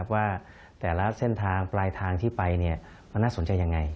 ว่าแต่ละเส้นทางปลายทางที่ไปมันน่าสนใจยังไง